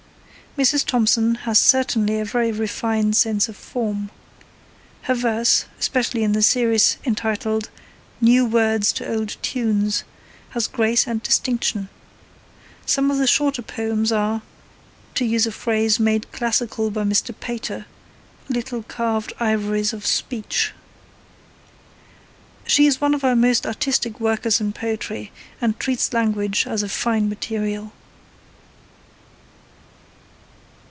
Mrs. Tomson has certainly a very refined sense of form. Her verse, especially in the series entitled New Words to Old Tunes, has grace and distinction. Some of the shorter poems are, to use a phrase made classical by Mr. Pater, 'little carved ivories of speech.' She is one of our most artistic workers in poetry, and treats language as a fine material.